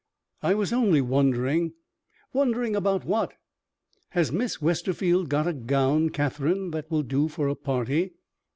"I was only wondering " "Wondering about what?" "Has Miss Westerfield got a gown, Catherine, that will do for a party?"